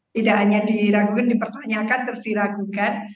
tidak hanya diragukan dipertanyakan terus diragukan